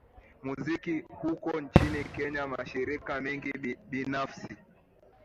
muziki huko nchini kenya mashirika mengi binafsi